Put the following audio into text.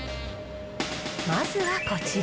まずはこちら。